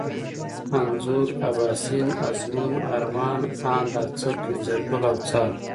انځور ، اباسين ، ازمون ، ارمان ، اند، اڅک ، انځرگل ، اوڅار